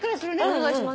お願いします。